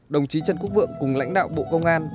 đồng chí trần quốc vượng cùng lãnh đạo bộ công an